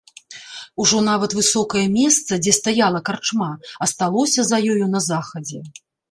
Ужо нават высокае месца, дзе стаяла карчма, асталося за ёю на захадзе.